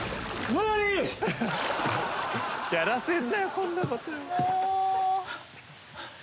やらせんなよこんなこと。